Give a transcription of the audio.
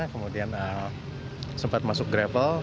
kemudian sempat masuk gravel